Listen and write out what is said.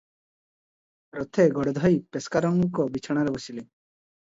ରଥେ ଗୋଡ ଧୋଇ ପେସ୍କାରଙ୍କ ବିଛଣାରେ ବସିଲେ ।